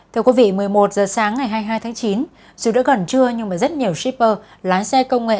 thưa quý vị một mươi một giờ sáng ngày hai mươi hai tháng chín dù đã gần trưa nhưng mà rất nhiều shipper lái xe công nghệ